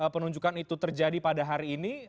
penunjukan itu terjadi pada hari ini